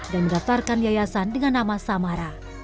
dan mendaftarkan yayasan dengan nama samara